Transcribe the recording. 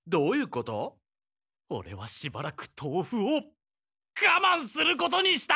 オレはしばらくとうふをがまんすることにした！